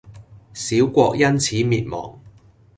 小國因此滅亡